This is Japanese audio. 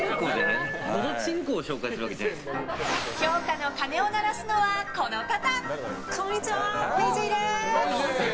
評価の鐘を鳴らすのは、この方。